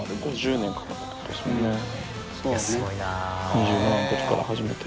２７のときから始めて。